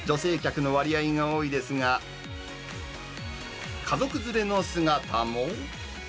女性客の割合が多いですが、家族連れの姿も。